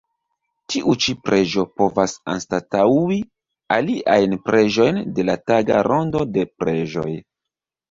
Tiu ĉi preĝo povas anstataŭi aliajn preĝojn de la taga rondo de preĝoj.